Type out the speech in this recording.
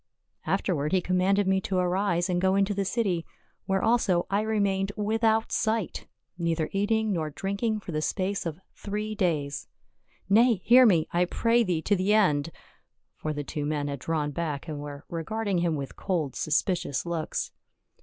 Afterward he commanded me to arise and go into the city, where also I remained without sight, neither eat ing nor drinking for the space of three days — Nay, hear me, I pray thee to the end !" For the two men had drawn back, and were regarding him with cold suspicious looks.